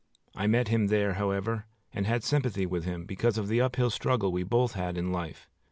I met him there, however, and had sympathy with him, because of the up hill struggle we both had in life.